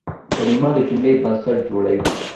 کلیمه د جملې بنسټ جوړوي.